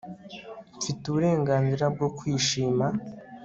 Mfite uburenganzira bwo kwishima